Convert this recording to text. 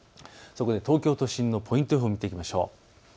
そこで東京都心のポイント予報を見ていきましょう。